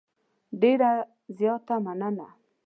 ډېره زیاته مننه .